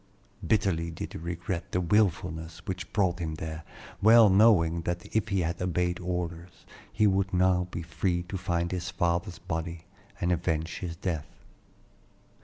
Bitterly did he regret the wilfulness which brought him there, well knowing that if he had obeyed orders he would now be free to find his father's body and avenge his death.